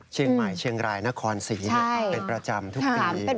เชียงใหม่เชียงรายนครศรีเป็นประจำทุกปี